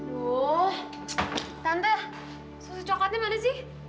tuh tante susu cokelatnya mana sih